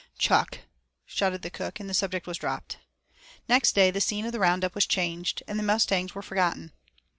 "Chuck," shouted the cook, and the subject was dropped. Next day the scene of the roundup was changed, and the mustangs were forgotten.